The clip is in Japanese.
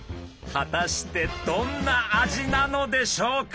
果たしてどんな味なのでしょうか。